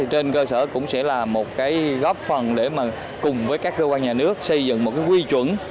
trên cơ sở cũng sẽ là một cái góp phần để cùng với các cơ quan nhà nước xây dựng một cái quy chuẩn